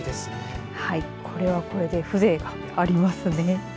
これはこれで風情がありますね。